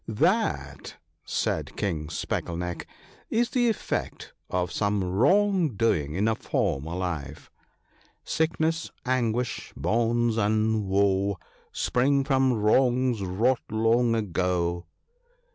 ' That/ said King Speckle neck, ' is the effect of some wrong doing in a former life, — "Sickness, anguish, bonds, and woe Spring from wrongs wrought long ago ( aa